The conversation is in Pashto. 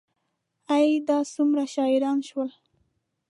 ای، دا څومره شاعران شول